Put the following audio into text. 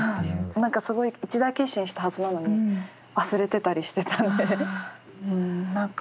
何かすごい一大決心したはずなのに忘れてたりしてたんで何か不思議です。